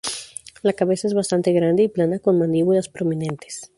La cabeza es bastante grande y plana, con mandíbulas prominentes.